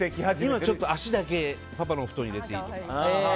今、足だけパパの布団に入れていい？とか。